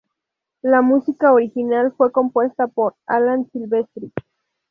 La música original fue compuesta por Alan Silvestri.